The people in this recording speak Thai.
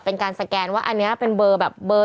เป็นการสแกนว่าอันนี้เป็นเบอร์แบบเบอร์